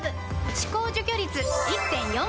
歯垢除去率 １．４ 倍！